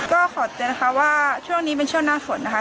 ก็ขอเตือนนะคะว่าช่วงนี้เป็นช่วงหน้าฝนนะคะ